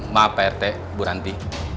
maaf pak rt buranti